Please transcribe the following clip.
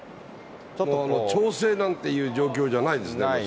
調整なんていう状況じゃないですね。